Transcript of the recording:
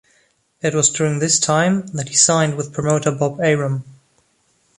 It was during this time that he signed with promoter Bob Arum.